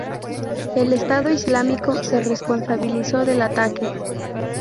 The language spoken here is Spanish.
El Estado islámico se responsabilizó del ataque.